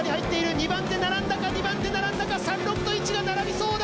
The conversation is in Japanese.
２番手並んだか２番手並んだか３６と１が並びそうだ。